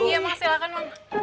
iya mas silahkan mang